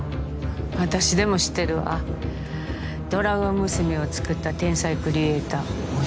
私でも知ってるわドラゴン娘を作った天才クリエイター